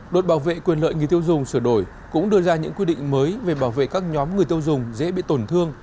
đột bảo vệ quyền lợi người tiêu dùng sửa đổi cũng đưa ra những quy định mới về bảo vệ các nhóm người tiêu dùng dễ bị tổn thương